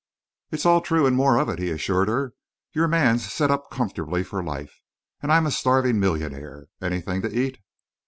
"It's all true, and more of it," he assured her. "Your man's set up comfortably for life, and I am a starving millionaire. Anything to eat?"